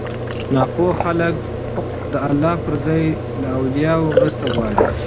ناپوهه خلک د الله پر ځای له اولياوو مرسته غواړي